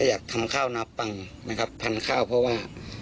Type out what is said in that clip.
อยากทำข้าวนาปังนะครับพันธุ์ข้าวเพราะว่า